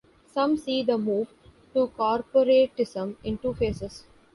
Some see the move to corporatism in two phases.